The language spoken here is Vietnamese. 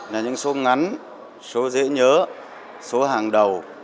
là những số ngắn số dễ nhớ số hàng đầu